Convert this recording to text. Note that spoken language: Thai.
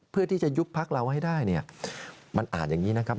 เพื่อที่จะยุบพักเราให้ได้เนี่ยมันอ่านอย่างนี้นะครับ